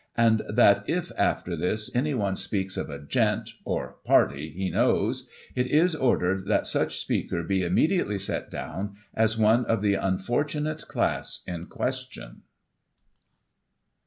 And that if, after this, anyone speaks of a " Gent," or " Party " he knows, it is ordered that such speaker be immediately set down as one of the unfortimate class in question.